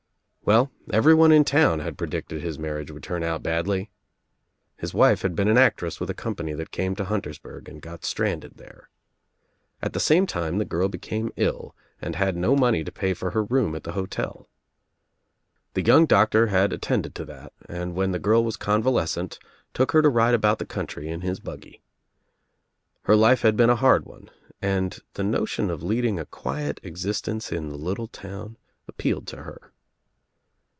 Well, everyone In town had predicted his marriage ■icould turn out badly! His wife had been an actress 82 THE TRIUMPH OF THE EGG with a company that came to Huntersburg and got strantied there. At the same time the girl became ill and had no money to pay for her room at the hotel. The young doctor had attended to that and when the girl was convalescent took her to ride about the coun try in his buggy. Her life had been a hard one and the notion of leading a quiet existence in the little town appealed to her.